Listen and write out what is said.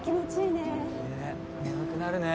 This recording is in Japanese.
ね眠くなるね。